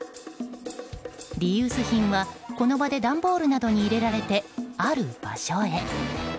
リユース品は、この場で段ボールなどに入れられてある場所へ。